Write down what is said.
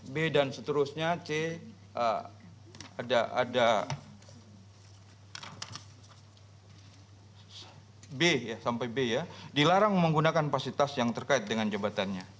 b dan seterusnya c ada b sampai b ya dilarang menggunakan fasilitas yang terkait dengan jabatannya